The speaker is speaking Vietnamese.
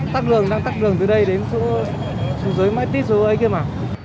tắc lửa đang tắc lửa từ đây đến xuống dưới mái tít xuống dưới kia mà